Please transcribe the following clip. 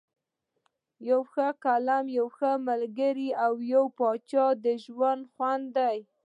یو ښه فلم، یو ښه ملګری او یو چای ، د ژوند خوند دی.